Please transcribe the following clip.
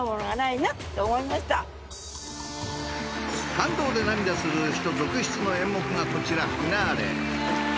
感動で涙する人続出の演目がこちら。